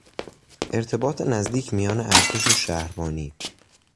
ارتباط نزدیک میان ارتش و شهربانی